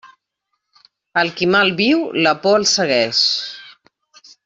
Al qui mal viu, la por el segueix.